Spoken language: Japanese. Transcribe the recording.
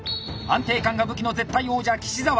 安定感が武器の絶対王者岸澤。